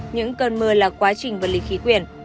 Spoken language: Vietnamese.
những cơn mưa là quá trình vật lý khí quyển